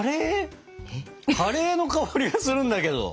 カレーの香りがするんだけど？